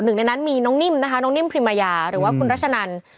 หนึ่งในนั้นมีน้องนิ่มนะคะน้องนิ่มพิมายาหรือว่าคุณรัชนัน